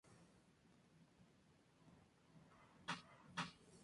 Así que Aniston fue elegida como Rachel Green.